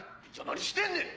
何してんねん！